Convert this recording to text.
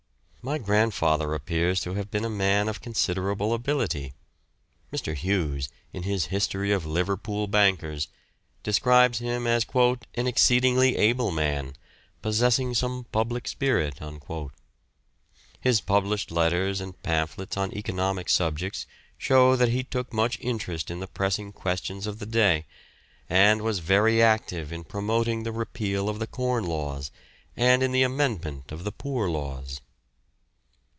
My grandfather appears to have been a man of considerable ability. Mr. Hughes, in his History of Liverpool Bankers, describes him as "an exceedingly able man, possessing some public spirit." His published letters and pamphlets on economic subjects show that he took much interest in the pressing questions of the day, and was very active in promoting the repeal of the Corn Laws and in the amendment of the Poor Laws.